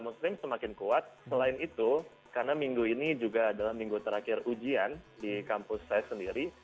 karena muslim semakin kuat selain itu karena minggu ini juga adalah minggu terakhir ujian di kampus saya sendiri